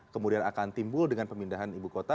kemudian akan timbul dengan pemindahan ibu kota